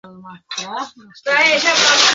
তার পিতা ছিলেন জেলা শিক্ষা অফিসার।